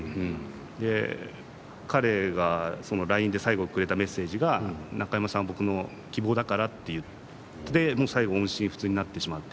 で、彼がＬＩＮＥで最後くれたメッセージがナカヤマさんは僕の希望だからって言ってもう最後音信不通になってしまって。